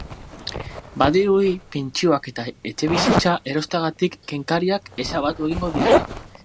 Badirudi pentsioak eta etxebizitza erosteagatik kenkariak ezabatu egingo direla.